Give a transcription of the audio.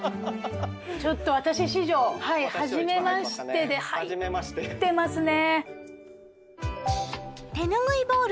ちょっと私史上はい初めましてで入ってますね！